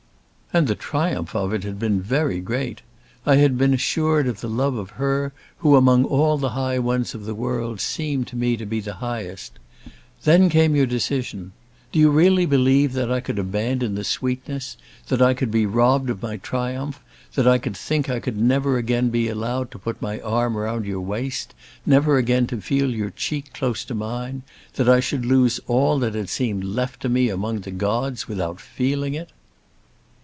"And the triumph of it had been very great. I had been assured of the love of her who among all the high ones of the world seemed to me to be the highest. Then came your decision. Do you really believe that I could abandon the sweetness, that I could be robbed of my triumph, that I could think I could never again be allowed to put my arm round your waist, never again to feel your cheek close to mine, that I should lose all that had seemed left to me among the gods, without feeling it?"